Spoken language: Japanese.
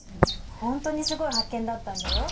本当にすごい発見だったんだよ。